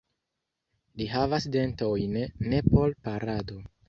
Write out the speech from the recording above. Li havas dentojn ne por parado.